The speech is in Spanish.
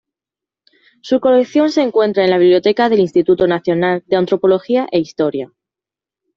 Su colección se encuentra en la Biblioteca del Instituto Nacional de Antropología e Historia.